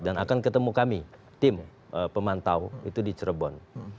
dan akan ketemu kami tim pemantau itu di cirebon